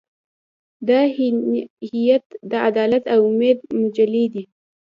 دا هیئت د عدالت او امید مجلې دی.